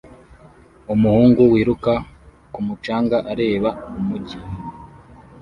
Umuhungu wiruka ku mucanga areba umujyi